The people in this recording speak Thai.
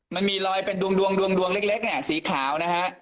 มันมีรอยเป็นดวงเล็กสีขาว